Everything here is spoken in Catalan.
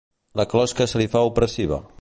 La closca se li fa opressiva.